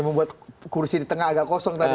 membuat kursi di tengah agak kosong tadi tuh ya